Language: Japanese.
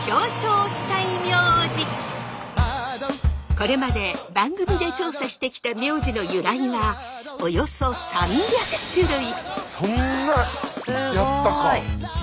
これまで番組で調査してきた名字の由来はそんなやったか。